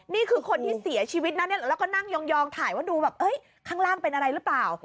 นี่คือคนที่เสียชีวิตนะเนี่ยแล้วก็นั่งยองถ่ายว่าดูแบบข้างล่างเป็นอะไรหรือเปล่า